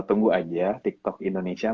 tunggu aja tiktok indonesia